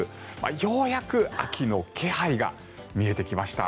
ようやく秋の気配が見えてきました。